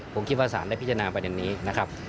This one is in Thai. ผมคิดว่าสารได้พิจารณาประเด็นนี้นะครับ